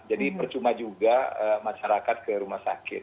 jadi percuma juga masyarakat ke rumah sakit